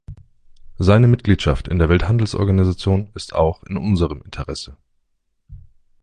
Seine Mitgliedschaft in der Welthandelsorganisation ist auch in unserem Interesse.